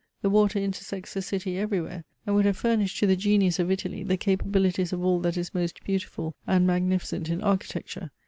The water intersects the city everywhere, and would have furnished to the genius of Italy the capabilities of all that is most beautiful and magnificent in architecture.